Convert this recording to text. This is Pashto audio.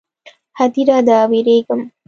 _ هديره ده، وېرېږم.